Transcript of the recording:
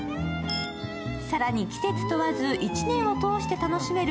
更に季節問わず１年を通して楽しめる